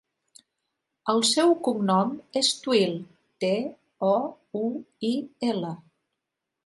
El seu cognom és Touil: te, o, u, i, ela.